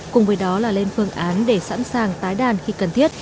cùng với đó là lên phương án để sẵn sàng tái đàn khi cần thiết